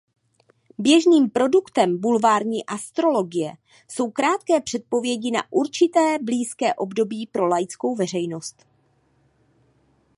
Běžným produktem bulvární astrologie jsou krátké předpovědi na určité blízké období pro laickou veřejnost.